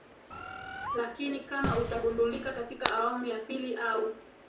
lakini kama utagundulika katika awamu ya pili au